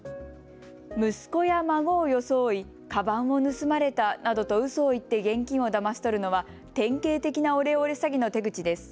息子や孫を装い、かばんを盗まれたなどとうそを言って現金をだまし取るのは典型的なオレオレ詐欺の手口です。